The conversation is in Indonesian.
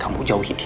kamu jauhi dia